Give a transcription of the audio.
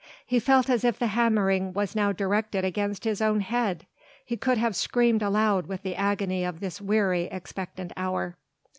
He felt as if the hammering was now directed against his own head, he could have screamed aloud with the agony of this weary, expectant hour.